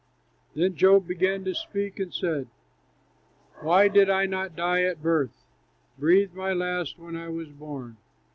Then Job began to speak and said: "Why did I not die at birth, Breathe my last when I was born?